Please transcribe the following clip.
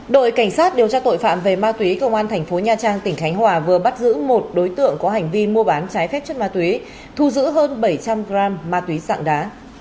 đội cảnh sát điều tra tội phạm về ma túy công an thành phố nha trang tỉnh khánh hòa vừa bắt giữ một đối tượng có hành vi mua bán trái phép chất ma túy thu giữ hơn bảy trăm linh g ma túy sạng đá